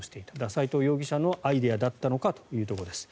齋藤容疑者のアイデアだったのかというところです。